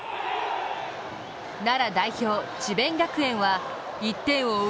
奈良代表・智弁学園は１点を追う